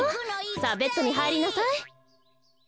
さあベッドにはいりなさい。